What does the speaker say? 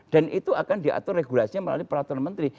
itu akan diatur regulasinya melalui peraturan menteri